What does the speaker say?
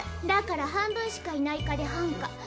だから半分しかいない課で「半課」。